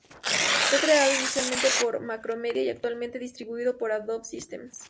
Fue creado inicialmente por Macromedia y actualmente distribuido por Adobe Systems.